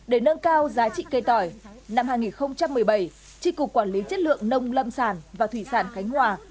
để nâng cao giá trị cây tỏi năm hai nghìn một mươi bảy tri cục quản lý chất lượng nông lâm sản và thủy sản khánh hòa